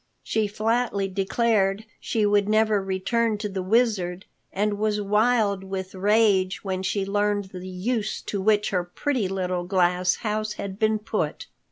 She flatly declared she would never return to the Wizard and was wild with rage when she learned the use to which her pretty little glass house had been put.